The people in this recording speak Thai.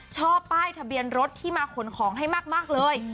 ชอบป้ายทะเบียนรถที่มาขนของให้มากเลย